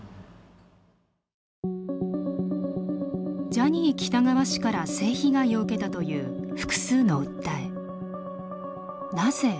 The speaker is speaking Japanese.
ジャニー喜多川氏から性被害を受けたという複数の訴え。